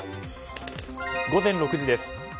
午前６時です。